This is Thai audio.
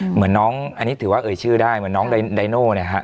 เหมือนน้องอันนี้ถือว่าเอ่ยชื่อได้เหมือนน้องไดโน่เนี่ยฮะ